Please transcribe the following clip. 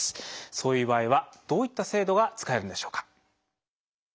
そういう場合はどういった制度が使えるんでしょうか？